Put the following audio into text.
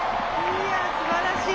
すばらしい。